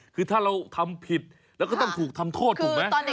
คือถ้าเราทำผิดแล้วก็ต้องถูกทำโทษถูกไหม